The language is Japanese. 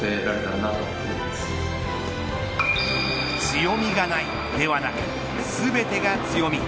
強みがない、ではなく全てが強み。